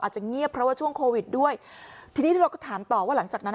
จะเงียบเพราะว่าช่วงโควิดด้วยทีนี้เราก็ถามต่อว่าหลังจากนั้นอ่ะ